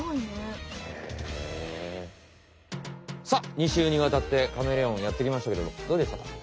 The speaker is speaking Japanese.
さあ２週にわたってカメレオンやってきましたけれどどうでしたか？